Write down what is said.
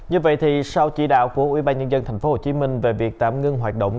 như vậy thì sau chỉ đạo của ubnd tp hcm về việc tạm ngưng hoạt động